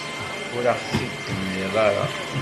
Ur aɣ-t-id-temliḍ ara.